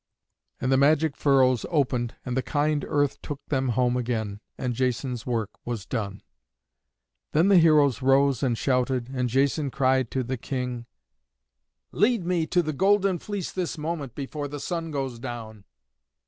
And the magic furrows opened, and the kind earth took them home again, and Jason's work was done. Then the heroes rose and shouted, and Jason cried to the King, "Lead me to the Golden Fleece this moment before the sun goes down."